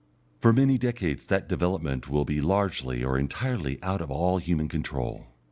For many decades that development will be largely or entirely out of all human control.